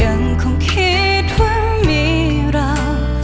ยังคงคิดว่ามีเรา